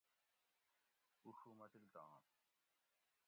اڛو مٹلتان